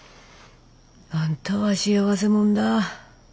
あんたは幸せもんだ。